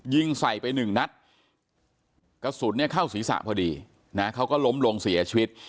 ยิงใส่ไปหนึ่งนัดกระสุนเนี่ยเข้าศีรษะพอดีนะเขาก็ล้มลงเสียชีวิต